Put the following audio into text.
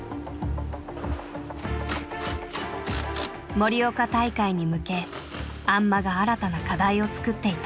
盛岡大会に向け安間が新たな課題を作っていた。